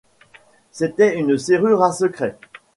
C'était une serrure à secret.